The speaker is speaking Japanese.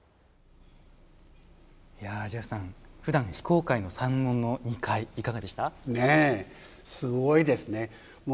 ジェフさんふだん非公開の三門の２階すごいですね。